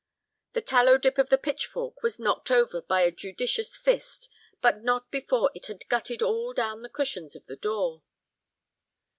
The tallow dip on the pitchfork was knocked over by a judicious fist, but not before it had gutted all down the cushions of the door.